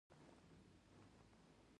په کاري چاپېريال کې کم سټرس او کم تشويش.